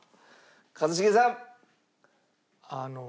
一茂さん。